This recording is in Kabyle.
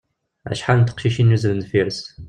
Acḥal n teqcicin yuzzlen deffir-s.